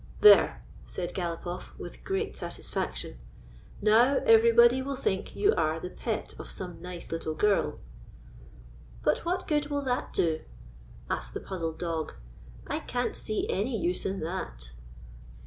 "There," said Galopoff, with great satisfac tion ;" now everybody will think you are the pet of some nice little girl." "But what good will that do?" asked the puzzled dog. " I can't see any use in that."